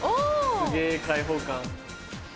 すげ開放感。